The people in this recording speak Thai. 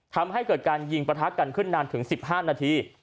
ทำให้เกิดการยิงประทะกันขึ้นนานถึง๑๕นาที